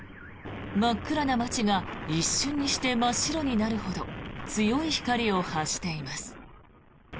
真っ暗な街が一瞬にして真っ白になるほど強い光を発しています。